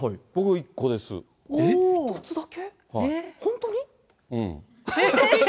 １つだけ？